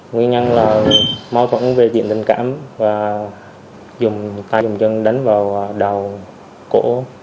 nguyên nhân là mâu thuẫn về diện tình cảm và dùng tay dùng chân đánh vào đầu cổ